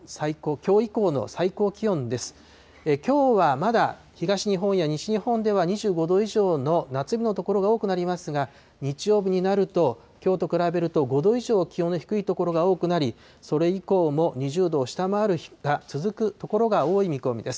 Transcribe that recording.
きょうはまだ東日本や西日本では２５度以上の夏日の所が多くなりますが、日曜日になると、きょうと比べると５度以上気温の低い所が多くなり、それ以降も２０度を下回る日が続く所が多い見込みです。